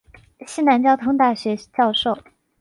西南交通大学教授。